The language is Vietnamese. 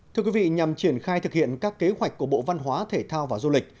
thưa quý vị nhằm triển khai thực hiện các kế hoạch của bộ văn hóa thể thao và du lịch